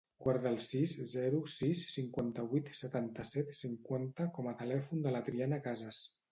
Guarda el sis, zero, sis, cinquanta-vuit, setanta-set, cinquanta com a telèfon de la Triana Casas.